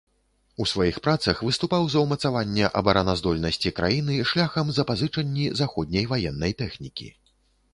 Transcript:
У сваіх працах выступаў за ўмацаванне абараназдольнасці краіны шляхам запазычанні заходняй ваеннай тэхнікі.